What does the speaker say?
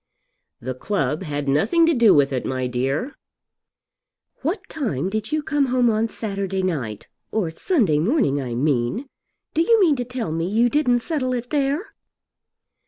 "The club had nothing to do with it, my dear." "What time did you come home on Saturday night; or Sunday morning I mean? Do you mean to tell me you didn't settle it there?"